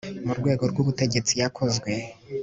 mu rwego rw'ubutegetsi yakozwe